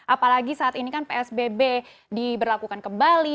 apalagi saat ini kan psbb diberlakukan kembali